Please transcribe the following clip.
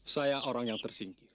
saya orang yang tersingkir